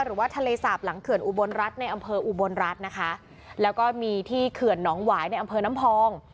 หรือว่าทะเลสาบหลังเขื่อนอุบลรัฐในอำเภออุบลรัฐนะคะแล้วก็มีที่เขื่อนหนองหวายในอำเภอน้ำพอง